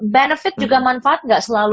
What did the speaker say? benefit juga manfaat nggak selalu